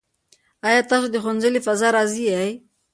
آیا ته د ښوونځي له فضا راضي یې؟